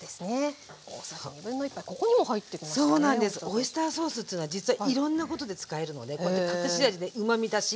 オイスターソースっつうのは実はいろんなことで使えるのでこうやって隠し味でうまみ出し。